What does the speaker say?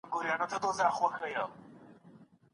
په هر کار کي د خیر اړخ وګورئ.